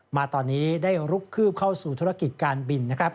มาตอนนี้ได้ลุกคืบเข้าสู่ธุรกิจการบินนะครับ